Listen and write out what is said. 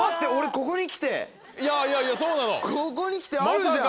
ここに来てあるじゃん。